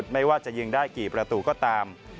ไม่ว่าจะยิงได้กี่ประตูก็ตาม